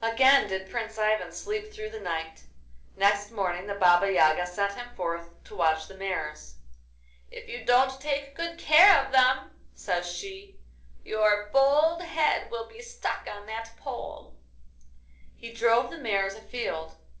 Again did Prince Ivan sleep through the night. Next morning the Baba Yaga sent him forth to watch the mares. 'If you don't take good care of them,' says she, 'your bold head will be stuck on that pole!' He drove the mares afield.